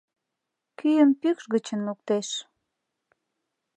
Кӱым пӱкш гычын луктеш!